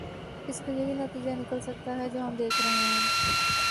اس کا یہی نتیجہ نکل سکتا ہے جو ہم دیکھ رہے ہیں۔